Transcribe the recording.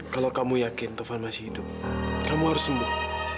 kalau kamu yakin tovan masih hidup kamu harus sembuh